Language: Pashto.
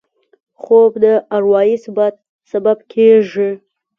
خوب د اروايي ثبات سبب کېږي